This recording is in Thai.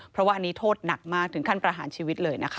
เพราะว่าอันนี้โทษหนักมากถึงขั้นประหารชีวิตเลยนะคะ